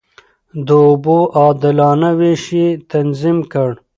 د اوبو عادلانه وېش يې تنظيم کړ.